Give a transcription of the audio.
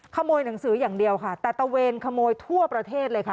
ขโมยหนังสืออย่างเดียวค่ะแต่ตะเวนขโมยทั่วประเทศเลยค่ะ